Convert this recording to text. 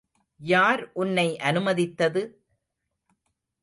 யார் உன்னை அனுமதித்தது?